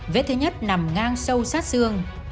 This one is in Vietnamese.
vết thứ nhất nằm ngang sâu sát xương